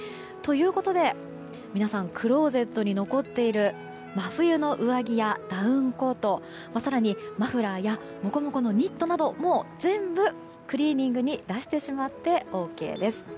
ということで、皆さんクローゼットに残っている真冬の上着やダウンコート更にマフラーやモコモコのニットなど全部、クリーニングに出してしまってＯＫです。